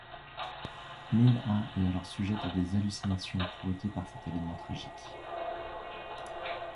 Min-Ah est alors sujette à des hallucinations provoquées par cet événement tragique.